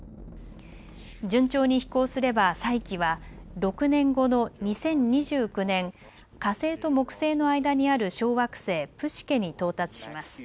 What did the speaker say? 順調に飛行すればサイキは６年後の２０２９年、火星と木星の間にある小惑星プシケに到達します。